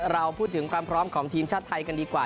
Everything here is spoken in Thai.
เราพูดถึงความพร้อมของทีมชาติไทยกันดีกว่า